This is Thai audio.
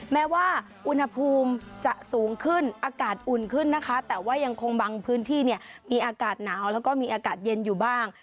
แม้ว่าอุณหภูมิจะสูงขึ้นอากาศอุ่นขึ้นนะคะแต่ว่ายังคงบางพื้นที่เนี่ยมีอากาศหนาวแล้วก็มีอากาศเย็นอยู่บ้าง